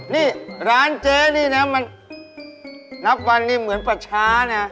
นี่ร้านเจ๊นี่นะมันนับวันนี้เหมือนประชานะ